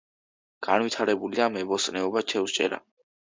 განვითარებულია მებოსტნეობა, თევზჭერა.